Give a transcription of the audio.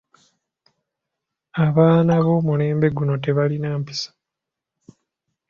Abaana b'omulembe guno tebalina mpisa.